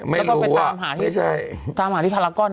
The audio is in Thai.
แล้วก็ไปตามหาที่พารากอน